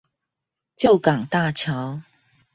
舊港大橋